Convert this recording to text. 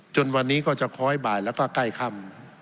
จนวันนี้ก็จะค้อยบ่ายแล้วก็ใกล้ค่ำ